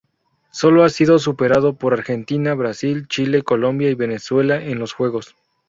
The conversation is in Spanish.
Solo ha sido superado por Argentina, Brasil, Chile, Colombia y Venezuela en los juegos.